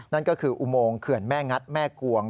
นั่นก็คืออุโมงเขื่อนแม่งัดแม่กวง